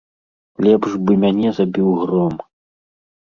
Лепш бы мяне забіў гром.